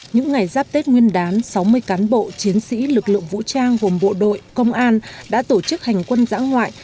những ngày giáp tết nguyên đán sáu mươi cán bộ chiến sĩ lực lượng vũ trang gồm bộ đội công an đã tổ chức hành quân giã ngoại